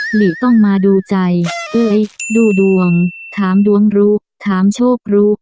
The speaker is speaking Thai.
หลีต้องมาดูใจเอ้ยดูดวงถามดวงรู้ถามโชครู้